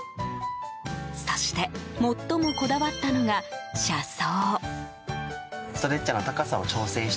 そして最もこだわったのが車窓。